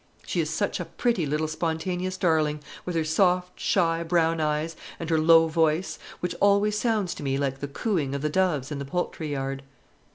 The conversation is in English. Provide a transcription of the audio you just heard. She is such a pretty little spontaneous darling, with her soft, shy, brown eyes, and her low voice, which always sounds to me like the cooing of the doves in the poultry yard."